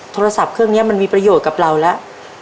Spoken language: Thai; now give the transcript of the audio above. โทรศัพท์เครื่องนี้มันมีประโยชน์กับเราแล้ว